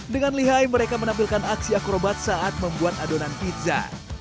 dengan lihai mereka menampilkan aksi akrobat saat membuat adonan pizza